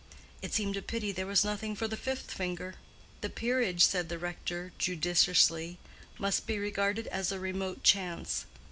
It seemed a pity there was nothing for the fifth finger. "The peerage," said the rector, judiciously, "must be regarded as a remote chance.